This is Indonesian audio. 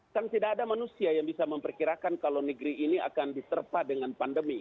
kan tidak ada manusia yang bisa memperkirakan kalau negeri ini akan diserpa dengan pandemi